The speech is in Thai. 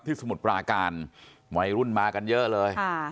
ที่สมุทรปลาการไว้รุ่นมากันเยอะเลยอ่า